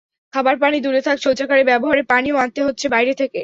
খাবার পানি দূরে থাক, শৌচাগারে ব্যবহারের পানিও আনতে হচ্ছে বাইরে থেকে।